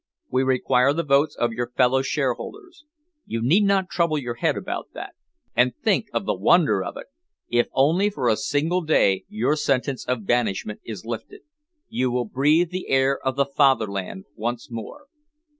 We require the votes of our fellow shareholders. You need not trouble your head about that. And think of the wonder of it! If only for a single day your sentence of banishment is lifted. You will breathe the air of the Fatherland once more."